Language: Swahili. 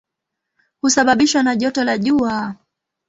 Husababishwa na joto la jua.